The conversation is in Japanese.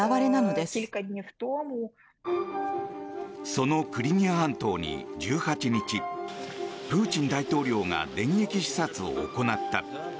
そのクリミア半島に１８日プーチン大統領が電撃視察を行った。